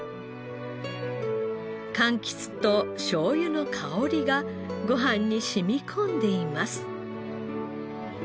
柑橘としょうゆの香りがご飯に染み込んでいます。